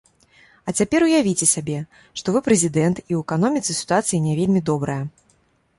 А цяпер уявіце сабе, што вы прэзідэнт і ў эканоміцы сітуацыя не вельмі добрая.